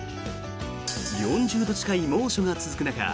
４０度近い猛暑が続く中